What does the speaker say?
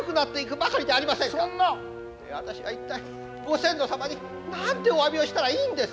私は一体ご先祖様に何ておわびをしたらいいんです。